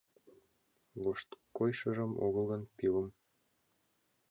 Вошткойшыжым огыл гын, пивым